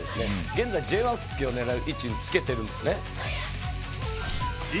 現在Ｊ１復帰を狙える位置につけてるんですね。